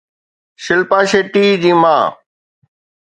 شلپا شيٽي جي ماءُ